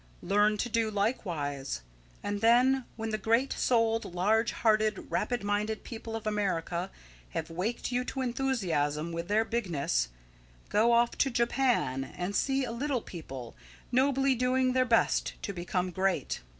Learn to do likewise. And then, when the great souled, large hearted, rapid minded people of America have waked you to enthusiasm with their bigness, go off to Japan and see a little people nobly doing their best to become great.